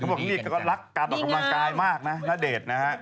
เขาก็บอกนี่ก็รักการต่อกำลังกายมากนะนาเดชนะฮะ